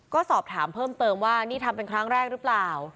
ก็สอบถามเพิ่มเติมว่านี่ทำเป็นครั้งแรกหรือเปล่า